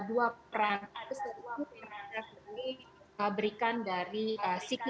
ada satu peran yang diberikan dari sikid